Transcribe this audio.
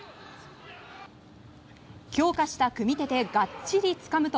強化した組み手でがっちりつかむと。